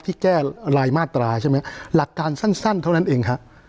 ที่แก้รายมาตราใช่ไหมหลักการสั้นเท่านั้นเองฮะ